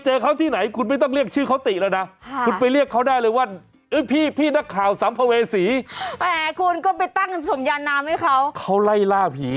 จริงคุณกิตตินี่คุณตินี่คนนี้นี่